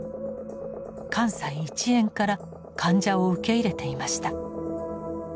関西一円から患者を受け入れていました。